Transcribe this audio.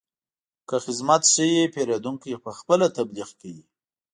که خدمت ښه وي، پیرودونکی پخپله تبلیغ کوي.